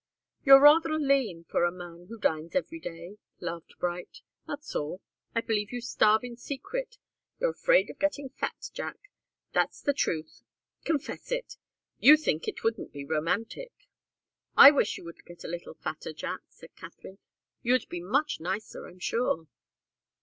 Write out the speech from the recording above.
"You're rather lean for a man who dines every day," laughed Bright. "That's all. I believe you starve in secret. You're afraid of getting fat, Jack that's the truth. Confess it! You think it wouldn't be romantic." "I wish you would get a little fatter, Jack," said Katharine. "You'd be much nicer, I'm sure."